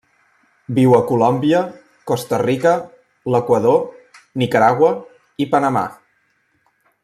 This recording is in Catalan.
Viu a Colòmbia, Costa Rica, l'Equador, Nicaragua i Panamà.